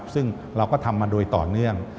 ซึ่งเราก็ทำมาโดยต่อเนื่อง